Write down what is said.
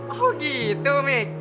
oh gitu mik